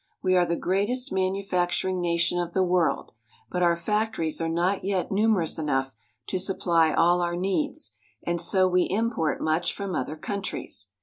We are the greatest manufactur ing nation of the world, but our factories are not yet nu merous enough to supply all our needs, and so we import much from other countries.